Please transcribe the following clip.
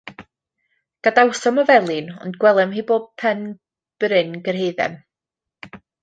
Gadawsom y felin, ond gwelem hi o bob pen bryn gyrhaeddem.